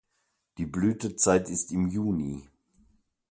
Die Blütezeit ist im Juni.